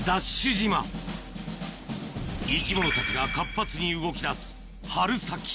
島生き物たちが活発に動きだす春先